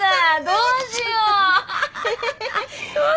どうしよう？